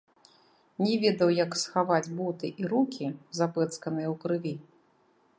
Не ведаў, як схаваць боты і рукі, запэцканыя ў крыві.